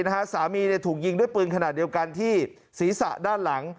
สามีถูกยิงด้วยปืนขนาดเดียวกันที่ศีรษะด้านหลัง